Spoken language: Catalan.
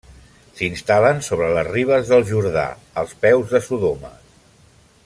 S'instal·len sobre les ribes del Jordà, als peus de Sodoma.